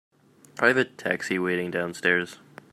I have a taxi waiting downstairs.